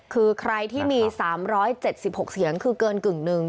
คือใครที่มี๓๗๖เสียงคือเกินกึ่งหนึ่ง